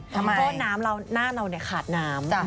เพราะน้ำหน้าเราเนี่ยขาดน้ำ